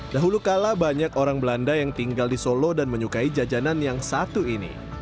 dahulu kala banyak orang belanda yang tinggal di solo dan menyukai jajanan yang satu ini